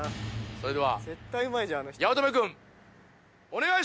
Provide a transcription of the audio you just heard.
それでは八乙女君お願いします！